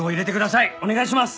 お願いします！